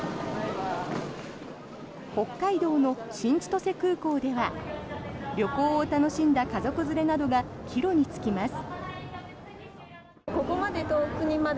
北海道の新千歳空港では旅行を楽しんだ家族連れなどが帰路に就きます。